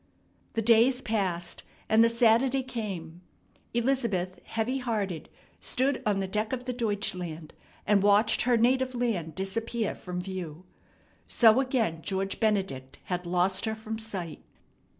The days passed, and the Saturday came. Elizabeth, heavy hearted, stood on the deck of the Deutschland, and watched her native land disappear from view. So again George Benedict had lost her from sight.